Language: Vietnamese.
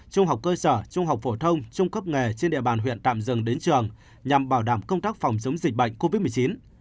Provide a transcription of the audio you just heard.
trung học cơ sở trung học phổ thông trung cấp nghề trên địa bàn huyện tạm dừng đến trường nhằm bảo đảm công tác phòng chống dịch bệnh covid một mươi chín